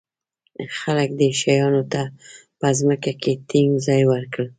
خلک دې شیانو ته په ځمکه کې ټینګ ځای ورکړ.